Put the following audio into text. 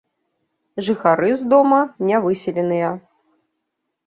Жыхары з дома не выселеныя.